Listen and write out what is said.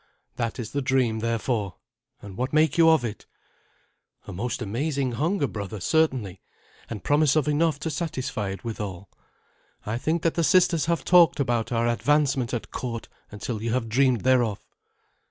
That is the dream, therefore, and what make you of it?" "A most amazing hunger, brother, certainly, and promise of enough to satisfy it withal. I think that the sisters have talked about our advancement at court until you have dreamed thereof."